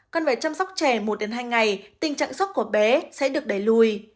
cần phải chăm sóc trẻ một hai ngày tình trạng sốc của bé sẽ được đẩy lùi